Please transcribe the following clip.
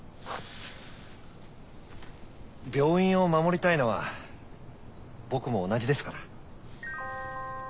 病院を守りたいのは僕も同じですから。